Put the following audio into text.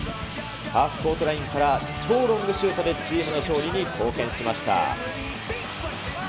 ハーフコートラインから超ロングシュートでチームの勝利に貢献しました。